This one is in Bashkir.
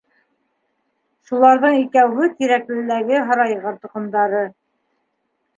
Шуларҙың икәүһе Тирәклеләге һарайғыр тоҡомдары.